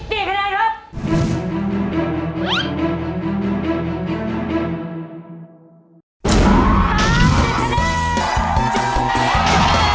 จบแล้ว